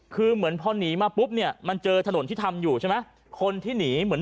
คือเหมือนพอหนีมาปุ๊บเนี่ยมันเจอถนนที่ทำอยู่ใช่ไหมคนที่หนีเหมือน